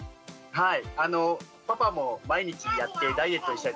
はい。